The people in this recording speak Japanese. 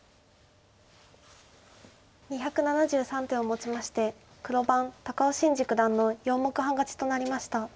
２７３手をもちまして黒番高尾紳路九段の４目半勝ちとなりました。